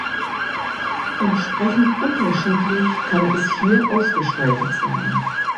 Entsprechend unterschiedlich kann es hier ausgestaltet sein.